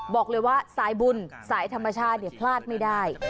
บอกเลยว่าสายบุญสายธรรมชาติเนี่ยพลาดไม่ได้